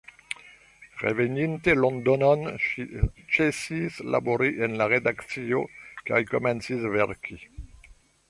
Reveninte Londonon, ŝi ĉesis labori en la redakcio kaj komencis verki.